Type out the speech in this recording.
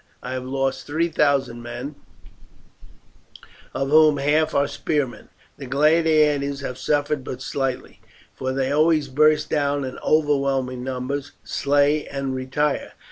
I have lost three thousand men, of whom half are spearmen. The gladiators have suffered but slightly, for they always burst down in overwhelming numbers, slay, and retire.